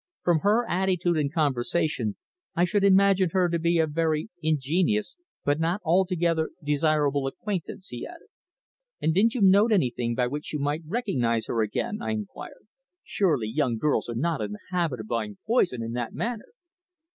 "From her attitude and conversation I should imagine her to be a very ingenious, but not altogether desirable acquaintance," he added. "And didn't you note anything by which you might recognise her again?" I inquired. "Surely young girls are not in the habit of buying poison in that manner!"